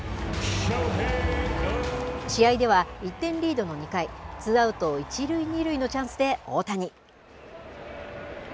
試合では１点リードの２回、ツーアウト１塁２塁のチャンスで大谷。